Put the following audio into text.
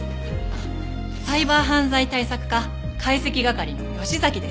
サイバー犯罪対策課解析係の吉崎です。